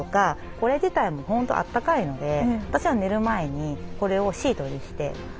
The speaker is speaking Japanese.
これ自体も本当あったかいので私は寝る前にこれをシートにして寝たり。